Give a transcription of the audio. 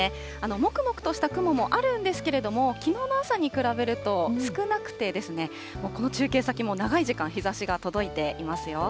もくもくとした雲もあるんですけれども、きのうの朝に比べると少なくて、この中継先も長い時間、日ざしが届いていますよ。